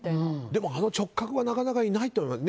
でもあの直角はなかなかいないと思う。